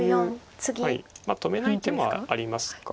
止めない手もありますか。